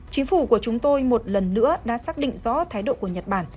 chính phủ của chúng tôi một lần nữa đã xác định rõ thái độ của nhật bản